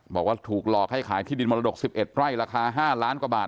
บอกว่าถูกหลอกให้ขายที่ดินมรดก๑๑ไร่ราคา๕ล้านกว่าบาท